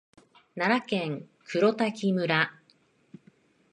奈良県黒滝村